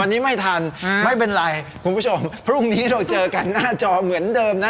อันนี้ไม่ทันไม่เป็นไรคุณผู้ชมพรุ่งนี้เราเจอกันหน้าจอเหมือนเดิมนะ